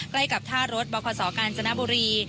ใกล้กับท่ารถบคศกาญจนบุรี